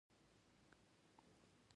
د نیول شوو تصمیمونو تعقیب کول مهم دي.